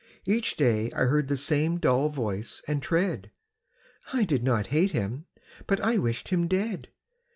Each day I heard the same dull voice and tread; I did not hate him: but I wished him dead.